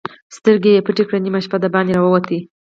سترګې يې پټې کړې، نيمه شپه د باندې را ووت.